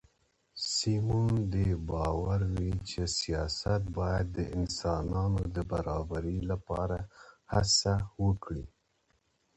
سیمون ډي بووار وایي چې سیاست باید د انسانانو د برابرۍ لپاره هڅه وکړي.